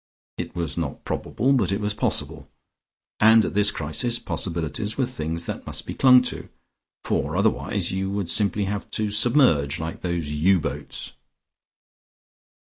It was not probable but it was possible, and at this crisis possibilities were things that must be clung to, for otherwise you would simply have to submerge, like those U boats.